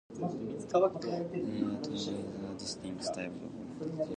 There are two rather distinct types of these chairs.